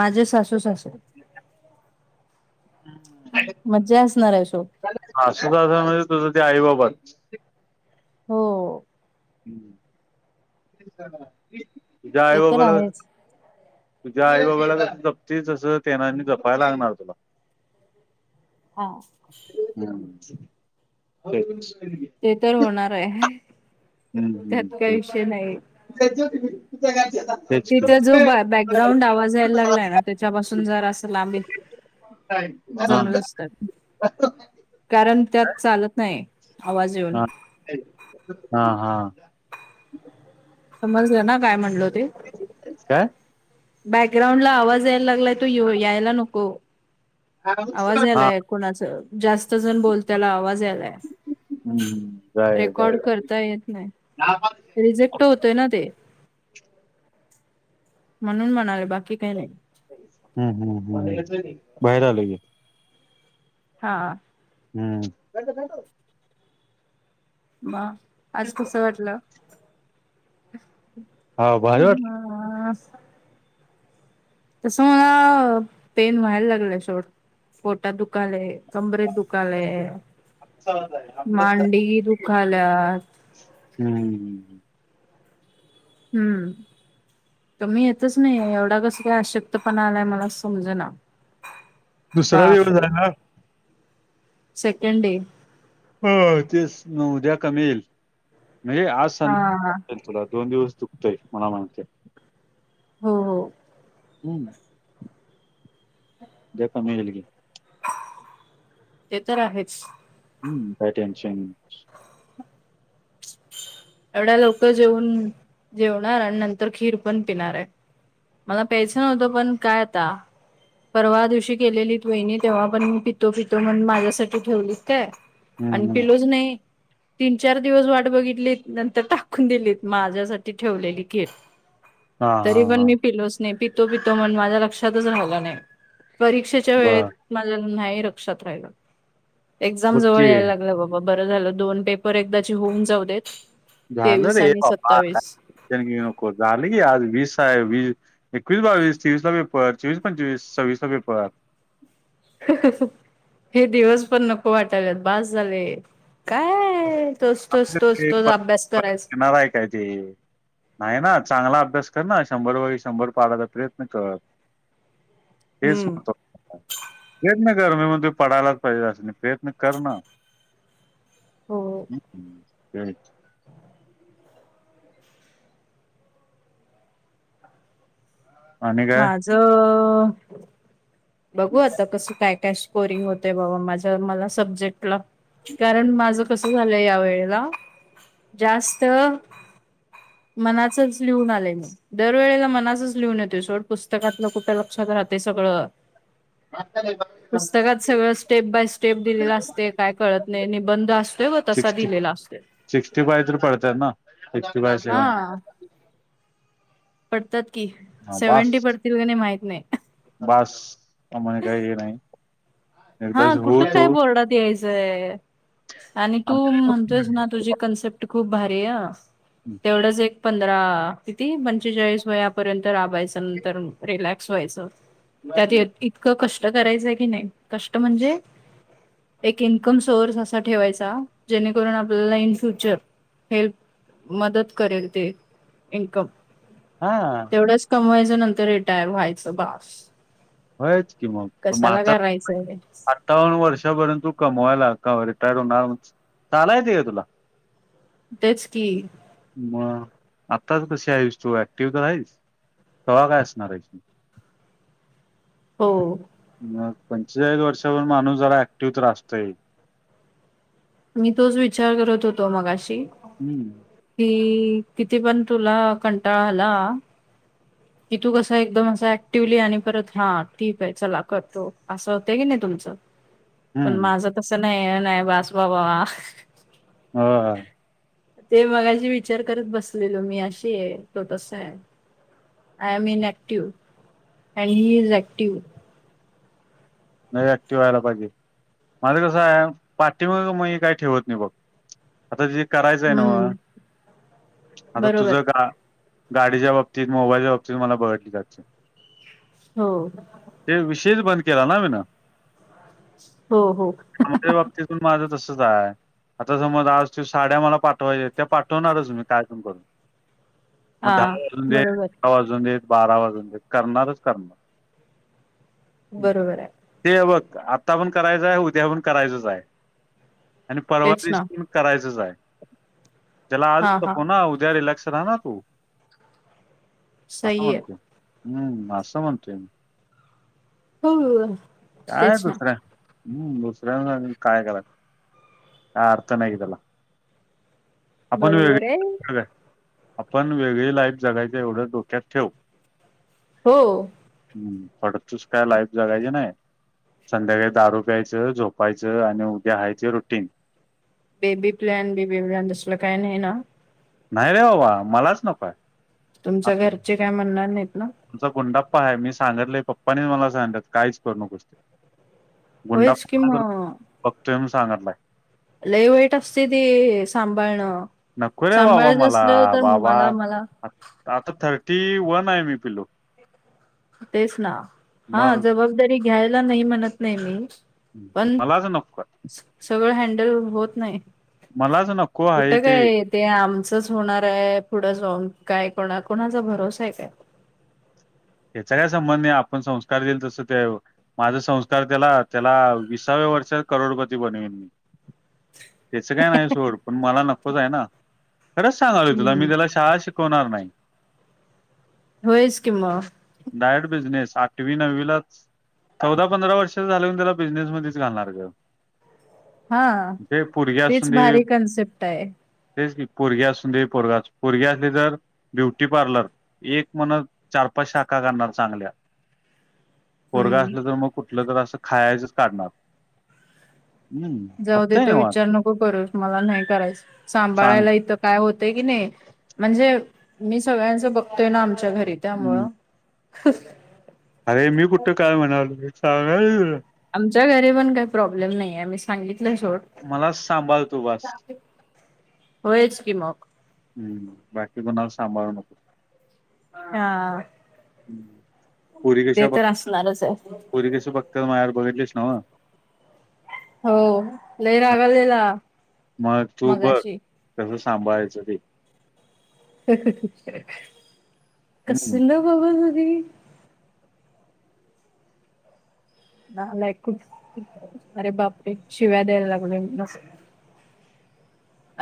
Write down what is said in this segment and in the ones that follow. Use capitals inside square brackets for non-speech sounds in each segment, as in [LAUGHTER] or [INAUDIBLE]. माझे सासू सासू हम् मज्जा असणार आहे सो असंचं म्हणजे तुझं ते आई बाबाच हो तुझ्या आई ते तर बाबाला.. आहेच. तुझ्या आई बाबाला कस जपतीस तसं तेनासनी जपायला लागणार तुला हा [INAUDIBLE] ते तर होणार आहे हम्म त्यात काही तेच. विषय नाही [INAUDIBLE] तिथं जो बॅकग्राउंड आवाज यायला लागलाय ना त्याच्यापासून जरास लांब येत ह.... ‌ कारण त्यात चालत नाही आवाज येऊन हा हा हा समजलं ना काय म्हणल हो ते काय बॅकग्राऊंड ला आवाज यायला लागलाय तो यायला नको आवाज हा यायलाय कोणाच जास्त जण बोल त्याला आवाज यायलाय हम्म जाऊया रेकॉर्ड जाऊया करता येत नाही रिजेक्ट होतोय ना ते म्हणून म्हणाले बाकी काही नाही हम् हम्म हम् बाहेर आलोे हा हम् काो बा आज कस वाटलं हा बाहेरट हा तसं मला पेन व्हायला लागलंय सोड फोटा दुखालाय कमबरेेत दुखालय मांडी दुखाल्यात हम्मम् हम्म तर मी येतच नाही एवढं कस काय आशक्त पणा आलाय मला समज ना दुसरा दिवस आहे ना सेकंड डे हो तेच उद्या कमी येईल म्हणजे आज हा संध हा. तुला दोन दिवस चु ते मला माहिती हो हो हम् दे प म गल की [UNINTELLIGIBLE] हे तर आहेच. हम्म काय टेन्शन? एवढ्या लवकर जेऊन जेवणार आणि नंतर खीर पण पिणार आहे. मला प्यास नव्हतं पण काय आता परवा दिवशी केलेलीत वहिणी तेव्हा पण मी पितो पितो म्हण माझ्यासाठी ठेवलीत काय आणि हं, हं. पिलोज नाही तीन चार दिवस वाट बघितली नंतर टाकून दिलीत माझ्यासाठी ठेवलेली खीर हां, तरी हां, पण हां. मी पिलोच नाही पितो पितो म्हण माझ्या लक्षातच राहिला नाही परीक्षे त्या वेळेत बरं. माझं नाही लक्षात राहिलं एझम बघ जवळ की यायला लागल बरं झालं दोन पेपर एकदा होऊन जाऊ देत झालं तेवीस रे आणि बाबा आता सत्तावीस. टेन्शन घेऊ नको झालं की आज वीस आहे वीस एकवीस बावीस तेवीसचा पेपर चोवीस पंचवीस सव्वीसचा पेपरवर हे दिवस पण नको वाटालात बास झाले काय तोच तोच आपलं तोच ते तोच प- अभ्यास परत करायचं येणार आहे काय ते नाही ना चांगला अभ्यास कर ना शंभर वग शंभर पाडायचा प्रयत्न कर हेच हम्म. महत्वा प्रयत्न कर मी म्हण तु पडायलाच पाहिजे असं नाही प्रयत्न कर ना हो काय? आणि काय? माझ बघू आता कसं काय काय स्कोरिंग होते बाबा माझ्या मला सब्जेक्टला कारण माझं कसं झालंय या वेळेला जास्त मनासच लिहून आले नाही दरवेळेला मनासच लिहून येतो. सोड पुस्तकातलं कुठे लक्षात राहते सगळं म पुस्तकात सगळं स्टेप बाय स्टेप दिलेला असते काय कळतं नाही निबंध असतोय व तसा सिक्स्टी दिलेला असतो. सिक्स्टी फाय तर पडतय ना सिक्स्टी फाय सेव्हन्टी हा. पडतात की हा बास सेव्हनटी पडतील का नाही माहित नाही बास आम्हाला काय नाही एकदा हा हो कुठे काय तो बोरडात यायस व्हय आणि तू म्हणतोयस ना तुझी कन्सेप्ट खूप भारी आहे. तेवढंच एक पंधरा किती पंचेचाळीस वयापर्यंत राबायचं नंतर रिलॅक्स व्हायचं. त्यात इतकं कष्ट करायचंय की नाही कष्ट म्हणजे एक इन्कम सोर्स असा ठेवायचा जेणेकरून आपल्याला इन फ्युचर हेल्प मदत करेल ते इन्कम हा तेवढंच कमवायचं नंतर रिटायर व्हायचं बस होयच की मग आता करायचंय हे? अठ्ठान्न वर्षपर्यंत तू कमवायला का रिटायर होणार चालाय ते तुला? तेच की मग आत्ताच कशी आहेस तू ऍक्टिव्ह तर आहेस तवा काय असणार आहे. हो मग पंचेचाळीस वर्षावर माणूस जरा ऍक्टिव्ह तर रा असतंय. मी तोच विचार करत होतो मगाशी हम्म कि किती पण तुला कंटाळा आला. की तू कसं एकदम असं ऍक्टिव्हली आणि परत हा ठीकय चला करतो. असं होतंय की नाही तुमचं? पण हम्म माझं तस नाय, नाय बास बाबा हा आ ते मगाशी विचार करत बसलेलो मी अशीय तो तसाय I am in active and he is active नाय ऍक्टिव व्हायला पाहिजे माझं कसंय पाठीव मय काही ठेवत नाही बघ आता जे करायचंय हम्म नव्हं, आता बरोबर तुझं का गाडीच्या बाबतीत मोबाईलच्या बाबतीत मला बघडली [UNINTELLIGIBLE] जाशील हो ते विशेषच बंद केला ना नव्हीन [UNINTELLIGIBLE] हो हो कामाच्या बाबतीत माझं तसच हाय आता समज आज ते साड्या मला पाठवायच्या त्या पाठवणारच मी काय पण करून [UNINTELLIGIBLE] मग दहा वाजून दे, बरोबर अकरा वाजून दे, बारा वाजून दे, करणारच करणार बरोबराय ते बघ आता पण करायचाय उद्या पण करायचंच हाय आणि परवा तेच ना दिशी करायचच हाय. ज्याला आज हा हा नकोना उद्या रिलॅक्स राहा ना तू असं सही आहे म्हणतोय हम्म असं म्हणतोय मी हो अ काय दुसरं हम्म दुसऱ्यां काय करायच काय अर्थ नाही त्याला आपण बरोबर वेगळी आहे [UNINTELLIGIBLE] आपण वेगळी लाईफ जगायचं एवढं डोक्यात ठेव. हो हम्म फडतुस काय लाईफ जगायची नाय संध्याकाळी दारू प्यायचं झोपायचं आणि उद्या हायचय routine baby plan baby plan तसलं काय नाही ना? नाही रे बाबा मलाच नकोय तुमच्या घरचे काय म्हणणार नाहीत ना? तुमचा गुंडा्पा हाय मी सांगितलय पप्पाने मला सांगितलय काहीचं करू नकोस गुंडाप होयच की काय करतोय? मग बघतोय म्हणून सांगतलाय लय वाईट असतय ती सांभाळणं नको रे! बाबा, सांभाळायचं मला असलं तर बाबा मला मला आता थर्टी वन हाय मी पिलु तेच ना हा मग जबाबदारी घ्यायला नाही म्हणत नाही मी पण मलाच नकोय सगळं हँडल होत नाय मलाच नको आहे कुठं काय ते आमचंच होणार आहे पुढं जाऊन काय कोणा कोणाचा भरोसाय काय? याचा काय संबंध नाय आपण संस्कार देईल तसं ते माझा संस्कार त्याला त्याला विसाव्या वर्षात करोडपती बनवीन [INAUDIBLE] त्याच काय नाही सोड पण मला नकोचय ना खरंच सांगालोय तुला हम्म मी त्याला शाळा शिक होणार नाहीय होयच कि म डायट बिझनेस आठवी, नवीलाच चौदा पंधरा वर्ष झाल्यावर त्याला बिझनेस मध्येच घालणार ग हा ते पोरगी असून तीच दे भारी कन्सेप्ट हाय तेच की पोरगी असून दे पोरगा पोरग्या असले तर ब्युटी पार्लर एक म्हणत चार पाच शाखा घणार चांगल्या पोरगा हम्म असल्यात फफतर मग कुठ म्हटलं तर असं खायचंच काढणार हम्म जाऊ देे खपतय तो निवांत विचार नको करूस मला नाही करायच सांग सांभाळायला इथं काय होतय की नाही. म्हणजे मी सगळ्यांचं बघतोय ना आमच्या घरी त्यामुळं अरे मी कुठं काय म्हणालतो. सांगायचं तर आमच्या घरी पण काही प्रॉब्लेम नाहीेय मी सांगितलं सोड मलाच सांभाल तू बास. होयच की मग हम् बाकी कोनाला सांभाळू नको. हा. पोरी ते कशा बघ, तर असणारच आहे. पोरी कशा बगत्यात मायाकडं बघितलेस नव्ह? हो लै हा, रागालेला. मग तू बघ कसं सांभाळायचं ते हा हा हा हम्म कसल बगा ना ते नालायक अरे बापरे शिव्या द्यायला कोणीस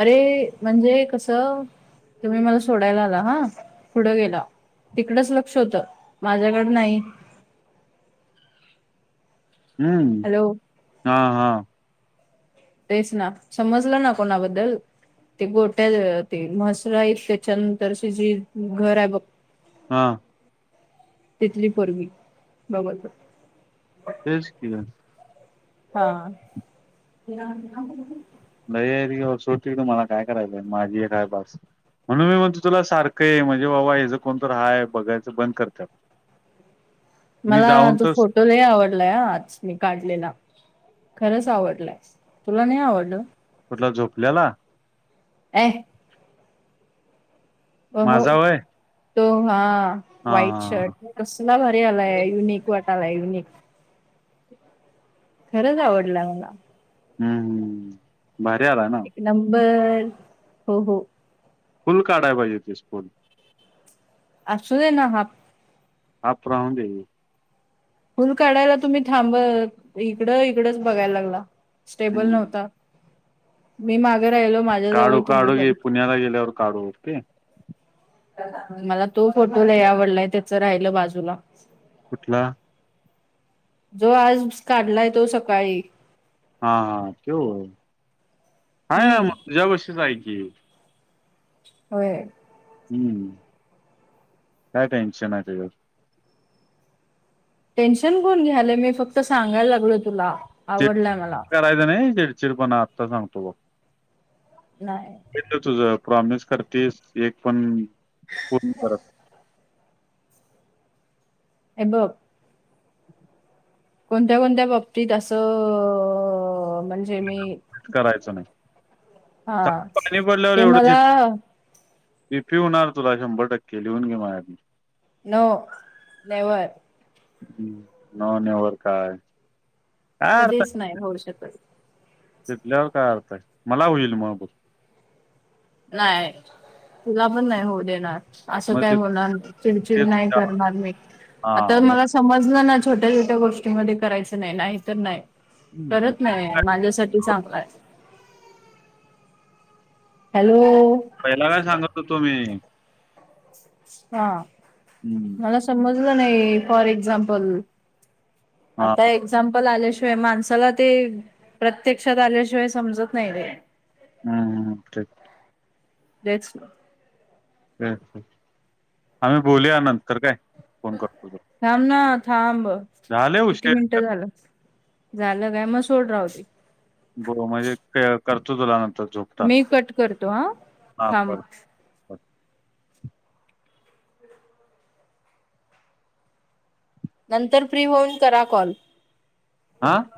अरे म्हणजे कस तुम्ही मला सोडायला आला हा पुढे गेला. तिकडच लक्ष होतं माझ्याकड नाही. हम्म हॅलो हा हा. तेच ना समजलं ना कोणा बद्दल ते गोट्या ते म्हसर त्याच्यानंतरची जे घर आहे बघ हा. तिथली पोरगी बघ तेच की ग हा. नाही सोड की, तू मला काय करायलयआहे माझी एक काय बास. म्हणून मी म्हणतो तुला सारखं आहे म्हणजे बाबा हेचं कोणतर हाय बघायचं बंद करत. मला तो फोटो लै आवडलाय हा आज मी काढलेला. खरंच आवडलाय तुला नाही आवडलं कुठला झोपल्याला अं हो हो माझा वय तो हा हा व्हाईट हा हा. शर्ट कसला भारी आलाय युनिक वाट आलाय युनिक खरंच आवडला मला हम्म हम् भारी आलाय ना! एक नंबर हो हो. फुल काढायाला पाहिजे हुतीस फोटो अससू दे ना हाफ हाफ राहुंडे आहे फुल काढायला तुम्ही थांब इकडं इकडंच बघायला लागला स्टेबल हम्म नव्हता. मी माग राहिलो माझ्याजवळ काढू तुम्ही काढू घे पण पुण्याला गेल्यावर काढु [INAUDIBLE] मला तो फोटो लय आवडलाय त्याचं राहिलं बाजूला कुठला जो आज काढलाय तो सकाळी हा हा. तो होय आहे हम्म की मग तुझ्यापशीच आहे की होय हम्म. काय टेन्शन आहे त्याच्या वर टेन्शन कोण घ्यालं मी फक्त सांगायला लागलो तुला आवडलाय मला चिडचिड करायचं नाही चिडचिडपणा आत्ता सांगतो बघ नाही. तुझ प्रॉमिस करतेस एक पण पूर्ण करत हे बघ कोणत्या कोणत्या बाबतीत असं म्हणज करायचं नाही. हा पाणी पडल्यावर ते एवढंच मला मी पिऊन आलतो तुला शंभर टक्के लिहून घे मया कडुन नो, नेवर. ह् नो नेवर काय? काय कधीच नाही होवु शकत. तिथल्यावर काय अर्थ आहे मला होईल मग. नाही तुला पण नाही होऊ देणार. असं मग काय ते होणार नाही चिडचिड ते नाही तुझ्या करणार मी आता हा मग मला समजलं ना छोट्या छोट्या गोष्टीमध्ये करायचं नाही नाही तर नाही हं. परत नाही माझ्यासाठी चांगलंय आहे. हॅलो पहिला काय सांगत होतो मी हा हम्म समजल नाही फॉर एकझ्मापल हा आता एकझाम्पल आल्याशिवाय माणसाला ते प्रत्यक्षात आल्याशिवाय समजत नाही रे. हम्म त तेच ना ते आम्ही बोलूया नंतर काय फोन करतो तुला. थांब ना थांब झाले किती उशीर मिनिटं झालं. झालं काय मग सोड राहुदे. बघु म्हणजे ते करतो तुला नंतर. मी झोपताना कट करतो हा हा थांब. कर कर. नंतर फ्री होऊन करा कॉल. आज?